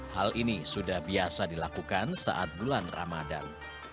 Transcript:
hal ini sudah biasa dilakukan saat bulan ramadan